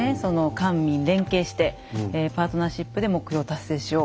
官民連携して「パートナーシップで目標を達成しよう」。